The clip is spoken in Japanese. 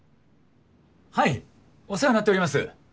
はいお世話になっております。